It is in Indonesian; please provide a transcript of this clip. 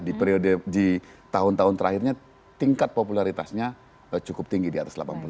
di periode di tahun tahun terakhirnya tingkat popularitasnya cukup tinggi di atas delapan puluh